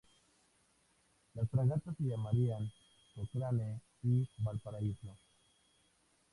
Las fragatas se llamarían "Cochrane" y "Valparaíso".